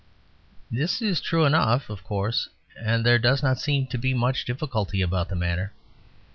This is true enough, of course, and there does not seem to be much difficulty about the matter.